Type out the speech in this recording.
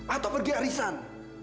atau pergi arisan